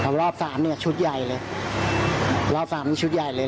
ครองรอบ๓เนี่ยชุดใหญ่เลยรอบ๓นี่ชุดใหญ่เลย